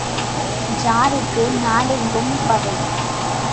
ஜாருக்கு நாடெங்கும் பகை.